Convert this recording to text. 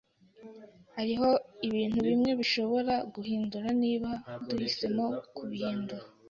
Hariho ibintu bimwe dushobora guhindura niba duhisemo kubihindura.